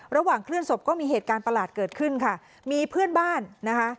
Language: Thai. เคลื่อนศพก็มีเหตุการณ์ประหลาดเกิดขึ้นค่ะมีเพื่อนบ้านนะคะ